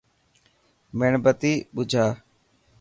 ميڻ بتي ٻجها.